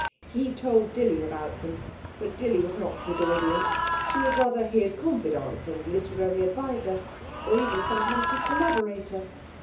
He told Dilly about them, but Dilly was not his audience she was rather his confidante and literary adviser; or even sometimes his collaborator.